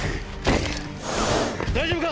大丈夫か！